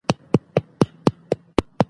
که چارجر وي نو اړیکه نه پرې کیږي.